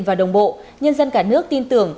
và đồng bộ nhân dân cả nước tin tưởng